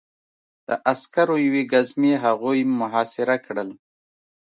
د عسکرو یوې ګزمې هغوی محاصره کړل